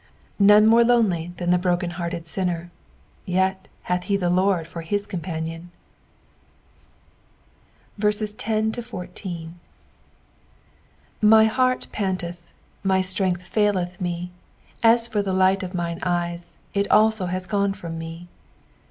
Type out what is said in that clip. None more lonely than the broken hearted sinner, yet hath he the Lord for his companion. 10 My heart panteth, my strength faileth me : as for the light of mine eyes, it also is gone from me.